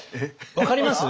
分かります？